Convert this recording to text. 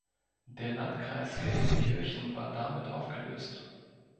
Der Landkreis Gelsenkirchen war damit aufgelöst.